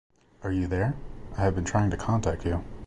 Are you there? I have been trying to contact you.